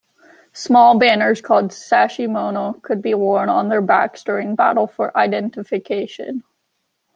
Small banners called "sashimono" could be worn on their backs during battle for identification.